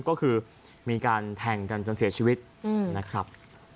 ก็คือมีการแทงกันจนเสียชีวิตนะครับ